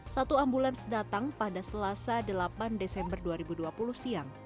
satu ambulans datang pada selasa delapan desember dua ribu dua puluh siang